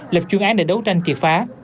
lập chuyên án để đấu tranh triệt phá